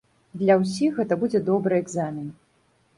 Для ўсіх гэта будзе добры экзамен.